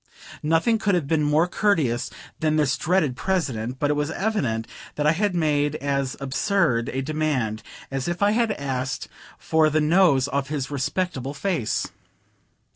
Nothing could have been more courteous than this dreaded President, but it was evident that I had made as absurd a demand as if I had asked for the nose off his respectable face.